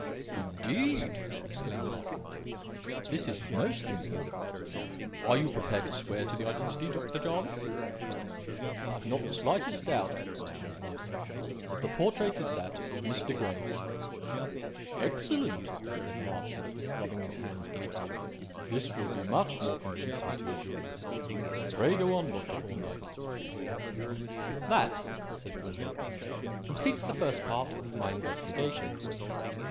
"Indeed!" exclaimed Marchmont. "This is most important. Are you prepared to swear to the identity, Dr. Jervis?" "I have not the slightest doubt," I replied, "that the portrait is that of Mr. Graves." "Excellent!" said Marchmont, rubbing his hands gleefully; "this will be much more convincing to a jury. Pray go on, Dr. Thorndyke." "That," said Thorndyke, "completes the first part of my investigation.